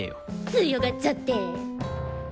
強がっちゃって。